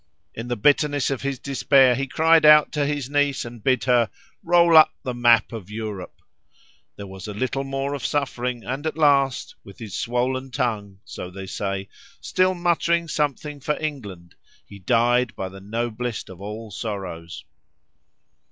In the bitterness of his despair he cried out to his niece, and bid her, "ROLL UP THE MAP OF EUROPE"; there was a little more of suffering, and at last, with his swollen tongue (so they say) still muttering something for England, he died by the noblest of all sorrows.